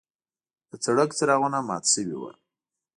د سړک څراغونه مات شوي وو.